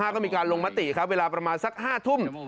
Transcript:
ก็มีการลงมติครับเวลาประมาณสัก๕ทุ่ม